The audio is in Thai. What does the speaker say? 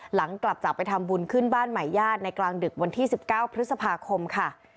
หลังจากไปทำบุญขึ้นบ้านใหม่ญาติในกลางดึกวันที่๑๙พฤษภาคมค่ะ